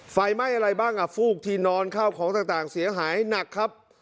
ไฟไหม้อะไรบ้างอ่ะฟูกที่นอนข้าวของต่างเสียหายหนักครับ